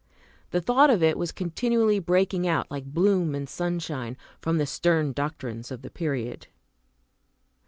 The thought of it was continually breaking out, like bloom and sunshine, from the stern doctrines of the period.